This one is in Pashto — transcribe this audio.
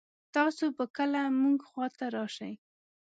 تاسو به کله مونږ خوا ته راشئ